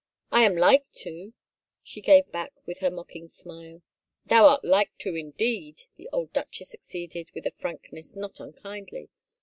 " I am like to," she gave back with her mocking smile. " Thou art like to, indeed," the old duchess acceded with a frankness not unkindly.